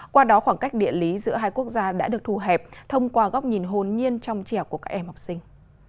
qua đó khoảng cách địa lý giữa hai quốc gia đã được thu hẹp thông qua góc nhìn hồn nhiên trong trẻo của các em học sinh